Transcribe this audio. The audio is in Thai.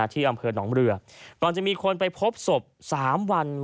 ที่อำเภอหนองเรือก่อนจะมีคนไปพบศพ๓วัน